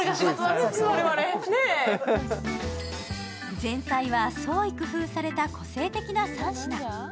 前菜は創意工夫された個性的な３品。